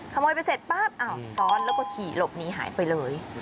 ขโมยไปเสร็จปั๊บซ้อนแล้วก็ขี่หลบหนีหายไปเลย